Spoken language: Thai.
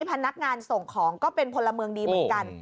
พนักงานส่งของก็เป็นพลเมืองดีเหมือนกัน